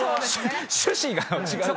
趣旨が違うから。